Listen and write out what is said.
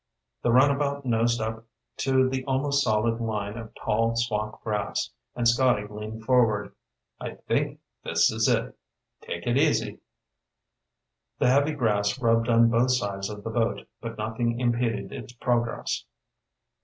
The runabout nosed up to the almost solid line of tall swamp grass, and Scotty leaned forward. "I think this is it. Take it easy." The heavy grass rubbed on both sides of the boat, but nothing impeded its progress.